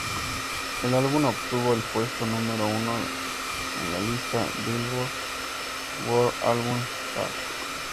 El álbum obtuvo el puesto número uno en la lista "Billboard" World Albums Chart.